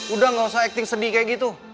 udah gak usah acting sedih kayak gitu